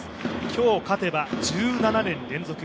今日勝てば１７年連続。